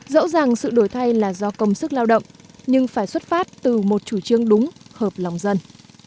rõ ràng sự đổi thay là do công sức lao động nhưng phải xuất phát từ một chủ trương đúng hợp lòng dân